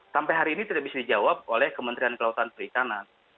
sampai hari ini tidak bisa dijawab oleh kementerian kelautan perikanan